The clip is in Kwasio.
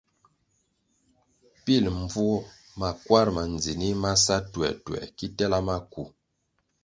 Pil mbvuo makwar ma ndzinih mo sa tuertuer ki tela maku.